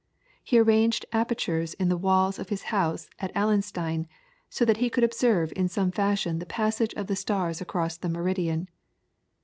He arranged apertures in the walls of his house at Allenstein, so that he could observe in some fashion the passage of the stars across the meridian.